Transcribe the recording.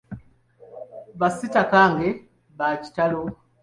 Ba sitakange baakitalo.